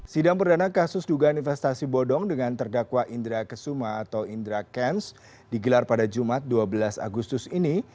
sidang perdana kasus dugaan investasi bodong dengan terdakwa indra kesuma atau indra kents digelar pada jumat dua belas agustus ini